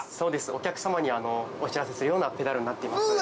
お客さまにお知らせするようなペダルになっています。